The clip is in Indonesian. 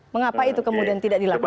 mengapa itu kemudian tidak dilakukan